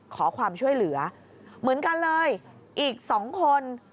ขอความช่วยเหลือเหมือนกันเลยอีก๒คน